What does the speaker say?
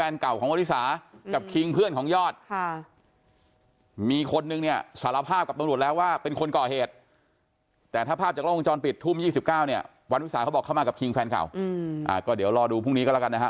วันวิสาทเขาบอกเข้ามากับคิงแฟนข่าวอืมอ่าก็เดี๋ยวรอดูพรุ่งนี้ก็แล้วกันนะฮะ